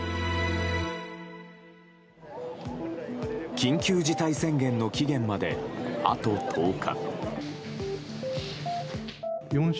緊急事態宣言の期限まであと１０日。